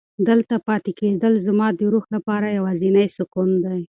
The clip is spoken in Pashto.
دلته پاتې کېدل زما د روح لپاره یوازینی سکون دی.